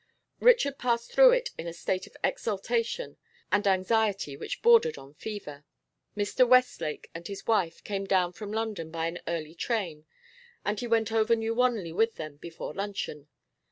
Richard passed through it in a state of exaltation and anxiety which bordered on fever. Mr. Westlake and his wife came down from London by an early train, and he went over New Wanley with them before luncheon.